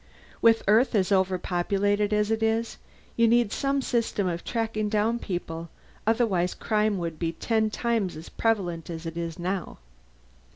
With Earth as overpopulated as it is, you need some system of tracking down people otherwise crime would be ten times as prevalent as it is now."